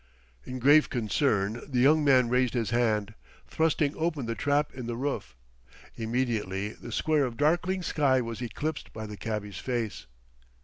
In grave concern the young man raised his hand, thrusting open the trap in the roof. Immediately the square of darkling sky was eclipsed by the cabby's face.